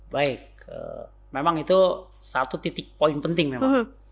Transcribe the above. baik memang itu satu titik poin penting memang